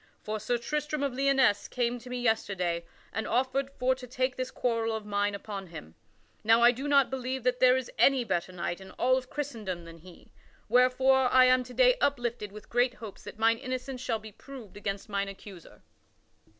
For Sir Tristram of Lyonesse came to me yesterday, and offered for to take this quarrel of mine upon him. Now I do not believe that there is any better knight in all of Christendom than he, wherefore I am to day uplifted with great hopes that mine innocence shall be proved against mine accuser."